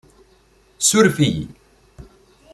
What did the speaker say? Surf-iyi